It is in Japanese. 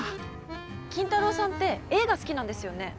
筋太郎さんって映画好きなんですよね？